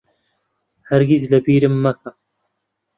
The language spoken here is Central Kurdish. هەرگیز لەبیرم مەکە.